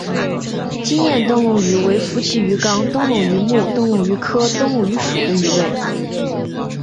金焰灯笼鱼为辐鳍鱼纲灯笼鱼目灯笼鱼科灯笼鱼属的鱼类。